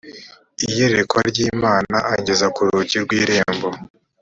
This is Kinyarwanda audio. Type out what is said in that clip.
iyerekwa ry imana angeza ku rugi rw irembo